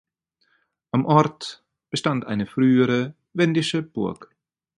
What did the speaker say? Am Ort bestand eine frühere wendische Burg.